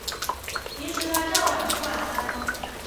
平时他较晚吃晚餐